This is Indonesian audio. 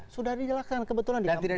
sudah dijalankan kebetulan di kampung deret